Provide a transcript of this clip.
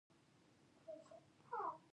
ته به څه کوې چې تنده دې ماته او له مرګه بچ شې.